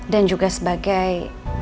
dan juga sebagai